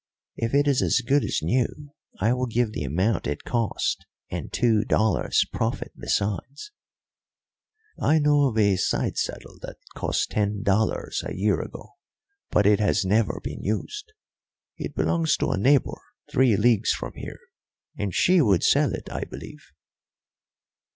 If it is as good as new I will give the amount it cost and two dollars profit besides." "I know of a side saddle that cost ten dollars a year ago, but it has never been used. It belongs to a neighbour three leagues from here, and she would sell it, I believe."